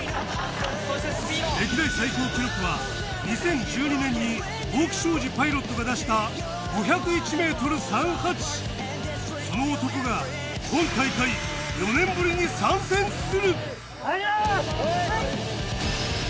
歴代最高記録は２０１２年に大木祥資パイロットが出した５０１．３８ｍその男が今大会入ります！